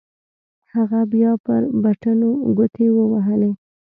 هغه بيا پر بټنو گوټې ووهلې.